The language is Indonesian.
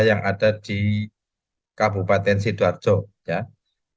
yang ada di dalam perusahaan ini dan kemudian kemudian kemudian kemudian kemudian kemudian kemudian